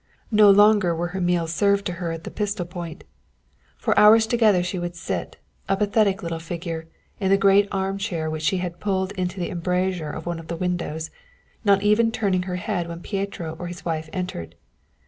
No longer were her meals served to her at the pistol point. For hours together she would sit, a pathetic little figure, in the great arm chair which she had pulled into the embrasure of one of the windows, not even turning her head when Pieto or his wife entered.